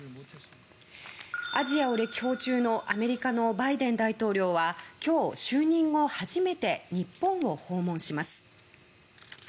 アジアを歴訪中のアメリカのバイデン大統領は今日、就任後初めて日本を訪問します。